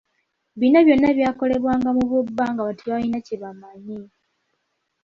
Bino byonna byakolebwanga mu bubba nga abantu tebalina kyebamanyi.